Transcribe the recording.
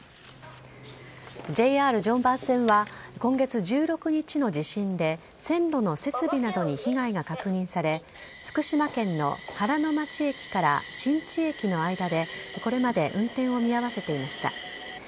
ＪＲ常磐線は今月１６日の地震で線路の設備などに被害が確認され福島県の原ノ町駅から新地駅の間でこれまで運転を見合わせていました。